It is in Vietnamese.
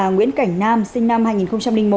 nguyễn cảnh nam sinh năm hai nghìn một